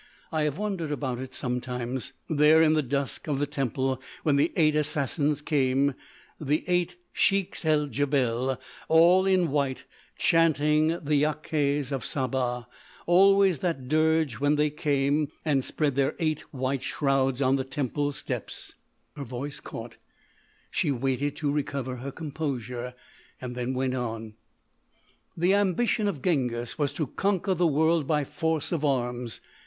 I have wondered about it, sometimes. There in the dusk of the temple when the Eight Assassins came—the eight Sheiks el Djebel, all in white—chanting the Yakase of Sabbah—always that dirge when they came and spread their eight white shrouds on the temple steps——" Her voice caught; she waited to recover her composure. Then went on: "The ambition of Genghis was to conquer the world by force of arms.